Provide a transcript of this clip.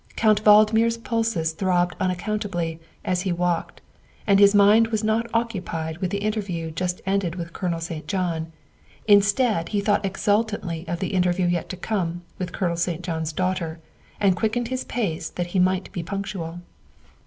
Count Valdmir 's pulses throbbed unaccountably as he walked, and his mind was not occupied with the inter view just ended with Colonel St. John; instead he thought exultantly of the interview yet to come with Colonel St. John 's daughter, and quickened his pace that he might be punctual.